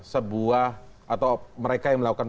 sebuah atau mereka yang melakukan